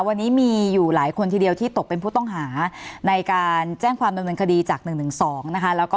วันนี้มีอยู่หลายคนทีเดียวที่ตกเป็นผู้ต้องหาในการแจ้งความดำเนินคดีจาก๑๑๒นะคะ